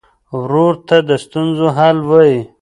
ورور ته د ستونزو حل وايي.